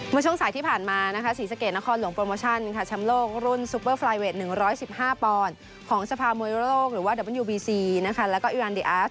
มุชช่องสายที่ผ่านมานะคะสีสะเกดนครหลวงโปรโมชั่นค่ะ